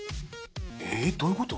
えどういうこと？